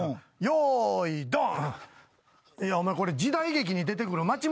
用意ドン。